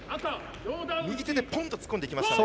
右手でポンと突っ込んでいきましたね。